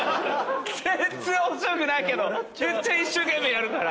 全然面白くないけどめっちゃ一生懸命やるから。